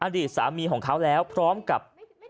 อดีตสามีของเขาแล้วพร้อมกับ